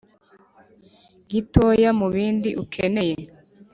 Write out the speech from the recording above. gitoya mubindi ukeneye.